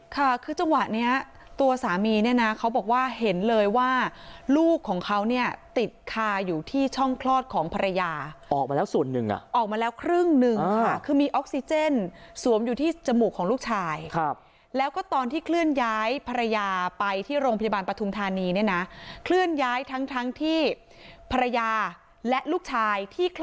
ค่ะคือจังหวะเนี้ยตัวสามีเนี่ยนะเขาบอกว่าเห็นเลยว่าลูกของเขาเนี่ยติดคาอยู่ที่ช่องคลอดของภรรยาออกมาแล้วส่วนหนึ่งอ่ะออกมาแล้วครึ่งหนึ่งค่ะคือมีออกซิเจนสวมอยู่ที่จมูกของลูกชายแล้วก็ตอนที่เคลื่อนย้ายภรรยาไปที่โรงพยาบาลปฐุมธานีเนี่ยนะเคลื่อนย้ายทั้งทั้งที่ภรรยาและลูกชายที่ค